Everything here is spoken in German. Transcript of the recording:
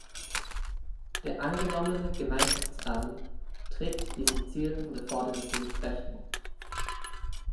Der angenommene Gemeinschaftsrahmen trägt diesen Zielen und Erfordernissen nicht Rechnung.